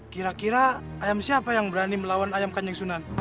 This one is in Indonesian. kira kira ayam siapa yang berani melawan ayam kanjeng sunan